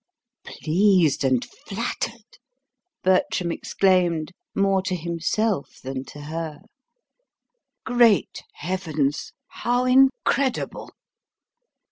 "Pleased and flattered!" Bertram exclaimed, more to himself than to her; "great Heavens, how incredible!